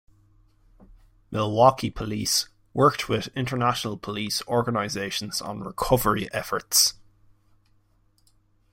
Milwaukee police worked with international police organizations on recovery efforts.